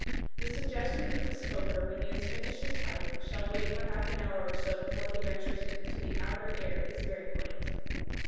The suggestion that the smoker, when he has finished his pipe, shall wait for half an hour or so before he ventures into the outer air is very quaint.